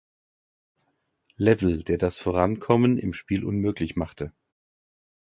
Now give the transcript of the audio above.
Level, der das Vorankommen im Spiel unmöglich machte.